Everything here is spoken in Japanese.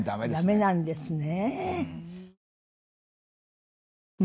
ダメなんですね。